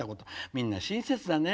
みんな親切だね。